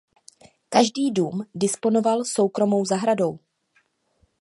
Každý dům disponoval soukromou zahradou.